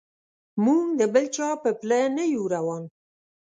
موږ د بل چا په پله نه یو روان.